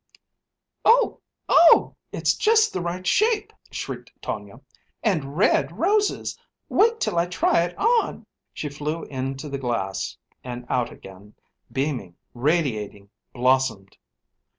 "Oh, oh! it's just the right shape," shrieked Tonia. "And red roses! Wait till I try it on!" She flew in to the glass, and out again, beaming, radiating, blossomed.